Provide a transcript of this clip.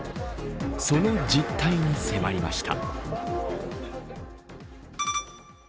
その実態に迫りました。